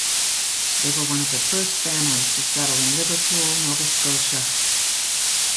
They were one of the first families to settle in Liverpool, Nova Scotia.